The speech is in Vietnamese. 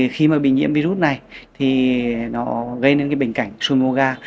khi bị nhiễm virus này thì nó gây đến bệnh cảnh sui mùa ga